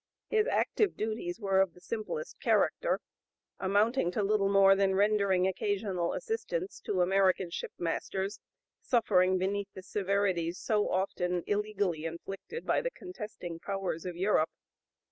His active duties were of the simplest character, amounting to little more than rendering occasional assistance to American shipmasters suffering beneath the severities so often illegally inflicted by the contesting powers of Europe.